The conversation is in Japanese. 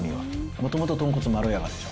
もともと豚骨まろやかでしょ。